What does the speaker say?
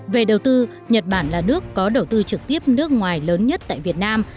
về đầu tư nhật bản là nước có đầu tư trực tiếp nước ngoài lớn nhất tại việt nam